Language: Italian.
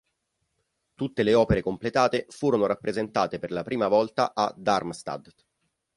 Tutte le opere completate furono rappresentate per la prima volta a Darmstadt.